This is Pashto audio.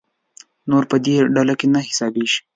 نور په دې ډله کې نه حسابېږي.